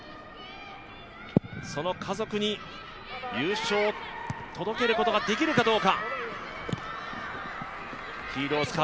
その家族に優勝を届けることができるかどうか。